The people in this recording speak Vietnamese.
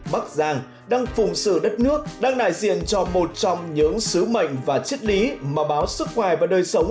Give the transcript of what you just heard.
bác giang đang phùng sự đất nước đang nải diện cho một trong những sứ mệnh và chức lý mà báo sức khỏe và đời sống